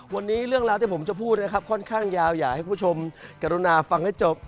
วันนี้เรื่องราวที่ผมจะพูดนะครับค่อนข้างยาวอยากให้คุณผู้ชมกรุณาฟังให้จบ